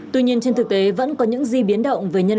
tuy nhiên trên thực tế vẫn có những di biến động về nhân